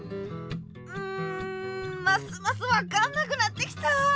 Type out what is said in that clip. うんますますわかんなくなってきた！